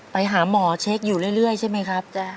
ไปหาหมอเช็คอยู่เรื่อยใช่ไหมครับ